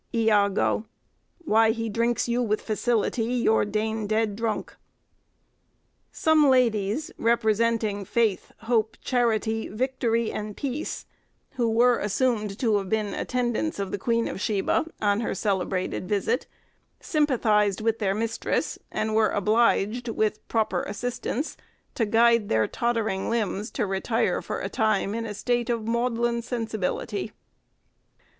Iago. Why, he drinks you with facility, your Dane dead drunk." Some ladies, representing Faith, Hope, Charity, Victory, and Peace, who were assumed to have been the attendants of the Queen of Sheba, on her celebrated visit, sympathised with their mistress, and were obliged, with proper assistance to guide their tottering limbs, to retire for a time in a state of maudlin sensibility.